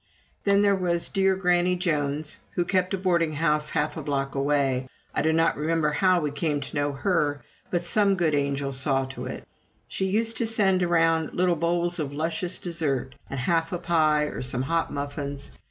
Then there was dear Granny Jones, who kept a boarding house half a block away. I do not remember how we came to know her, but some good angel saw to it. She used to send around little bowls of luscious dessert, and half a pie, or some hot muffins.